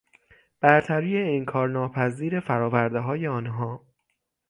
برتری انکارناپذیر فرآوردههای آنها